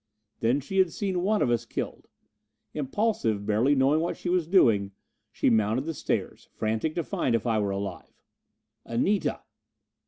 Then she had seen one of us killed. Impulsive, barely knowing what she was doing, she mounted the stairs, frantic to find if I were alive. "Anita!"